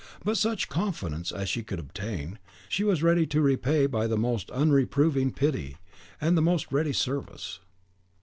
But such confidence as she could obtain, she was ready to repay by the most unreproving pity and the most ready service.